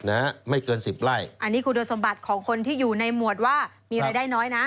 อันนี้คือโดสมบัติของคนที่อยู่ในหมวดว่ามีรายได้น้อยนะ